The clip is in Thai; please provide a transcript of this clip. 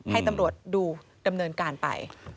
ให้ตำรวจดูดำเนินการไป